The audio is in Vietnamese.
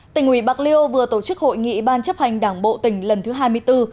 tỉnh ủy bạc liêu vừa tổ chức hội nghị ban chấp hành đảng bộ tỉnh lần thứ hai mươi bốn